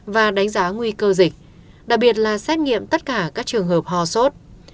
và đánh giá nguy cơ dịch đặc biệt là xét nghiệm tất cả các trường hợp ho sốt